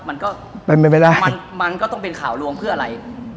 มันก็เป็นไปไม่ได้มันก็ต้องเป็นข่าวลวงเพื่ออะไร